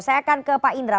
saya akan ke pak indra